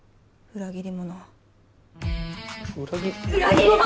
裏切り者！